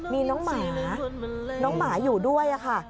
มีน้องหมาน้องหมาอยู่ด้วยค่ะ